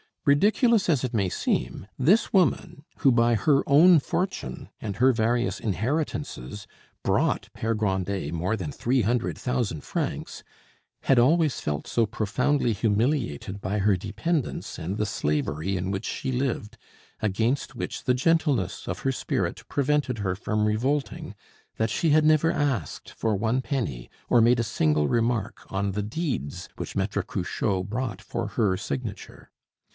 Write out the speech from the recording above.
Ridiculous as it may seem, this woman, who by her own fortune and her various inheritances brought Pere Grandet more than three hundred thousand francs, had always felt so profoundly humiliated by her dependence and the slavery in which she lived, against which the gentleness of her spirit prevented her from revolting, that she had never asked for one penny or made a single remark on the deeds which Maitre Cruchot brought for her signature.